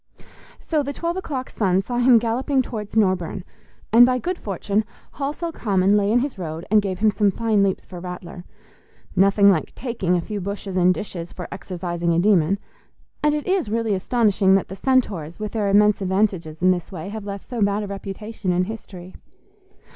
So the twelve o'clock sun saw him galloping towards Norburne; and by good fortune Halsell Common lay in his road and gave him some fine leaps for Rattler. Nothing like "taking" a few bushes and ditches for exorcising a demon; and it is really astonishing that the Centaurs, with their immense advantages in this way, have left so bad a reputation in history.